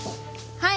はい。